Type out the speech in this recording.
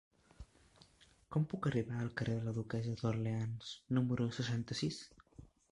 Com puc arribar al carrer de la Duquessa d'Orleans número seixanta-sis?